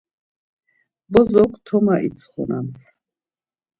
Bozok toma itsxonams.